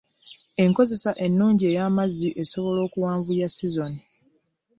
Enkozesa ennungi ey’amazzi esobola okuwanvuya ssizoni.